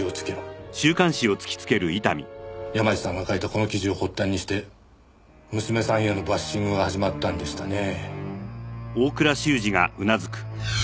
山路さんが書いたこの記事を発端にして娘さんへのバッシングが始まったんでしたね。